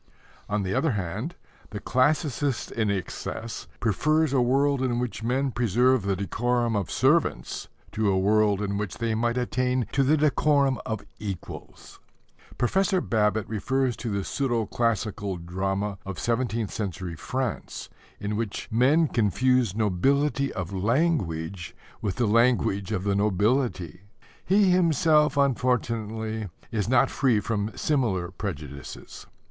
On the other hand, the classicist in excess prefers a world in which men preserve the decorum of servants to a world in which they might attain to the decorum of equals. Professor Babbitt refers to the pseudo classical drama of seventeenth century France, in which men confused nobility of language with the language of the nobility. He himself unfortunately is not free from similar prejudices.